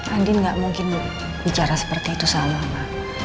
andin gak mungkin bicara seperti itu sama pak